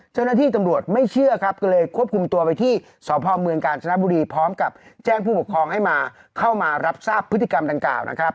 เจ้าหน้าที่ตำรวจไม่เชื่อครับก็เลยควบคุมตัวไปที่สพเมืองกาญจนบุรีพร้อมกับแจ้งผู้ปกครองให้มาเข้ามารับทราบพฤติกรรมดังกล่าวนะครับ